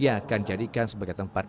yang akan dijadikan sebagai tempat